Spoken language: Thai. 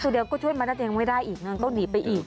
เดี๋ยวก็ช่วยมันถ้าจะยังไม่ได้ต้องหนีไปอีก